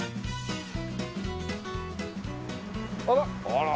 あら！